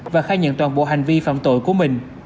và khai nhận toàn bộ hành vi phạm tội của mình